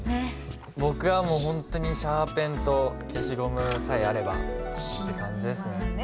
僕はもう本当にシャーペンと消しゴムさえあればって感じですね。